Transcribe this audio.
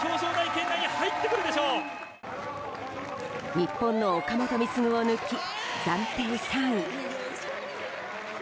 日本の岡本碧優を抜き暫定３位。